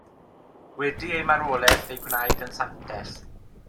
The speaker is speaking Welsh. Wedi ei marwolaeth fe'i gwnaed yn santes.